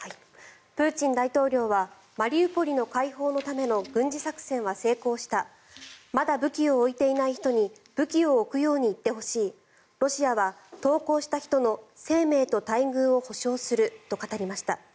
プーチン大統領はマリウポリの解放のための軍事作戦は成功したまだ武器を置いていない人に武器を置くように言ってほしいロシアは投降した人の生命と待遇を保証すると語りました。